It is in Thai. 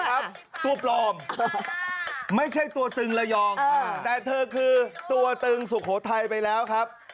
ครับตัวปลอมไม่ใช่ตัวตึงระยองแต่เธอคือตัวตึงสุโขทัยไปแล้วครับ